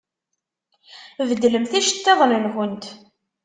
Beddlemt iceṭṭiḍen-nkent!